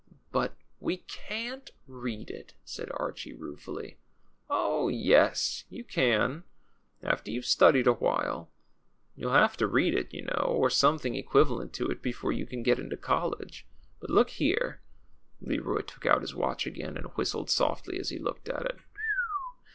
" But we can't read it," said Archie, ruefully. " Oh, yes ! you can, after you've studied a while. You'll have to read it, you know, or something equiv alent to it, before you can get into college. But look here "— Leroy took out his watch again, and whistled softly as he looked at it.